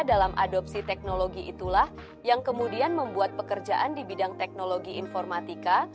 dalam adopsi teknologi itulah yang kemudian membuat pekerjaan di bidang teknologi informatika